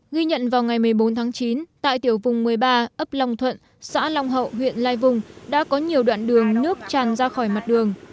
ghi nhận vào ngày một mươi bốn tháng chín tại tiểu vùng một mươi ba ấp long thuận xã long hậu huyện lai vùng đã có nhiều đoạn đường nước tràn ra khỏi mặt đường